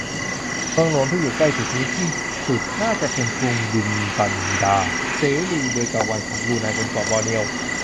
เมืองหลวงที่อยู่ใกล้จุดนี้ที่สุดน่าจะเป็นกรุงบินบันดาร์ เสรี เบกาวัน ของบรูไน บนเกาะบอร์เนียว